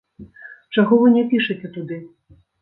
Чаго вы не пішаце туды?